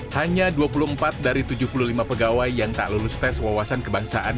hanya dua puluh empat dari tujuh puluh lima pegawai yang tak lulus tes wawasan kebangsaan